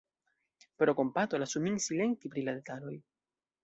Pro kompato lasu min silenti pri la detaloj!